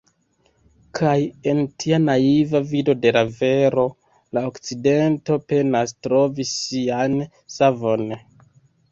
Kaj en tia naiva vido de la vero, la Okcidento penas trovi sian savon.